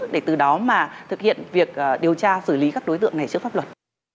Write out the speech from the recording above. để từ đó mà thực hiện việc điều tra xử lý các đối tượng này trước pháp luật